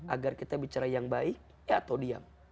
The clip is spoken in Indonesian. agar kita bicara yang baik ya atau diam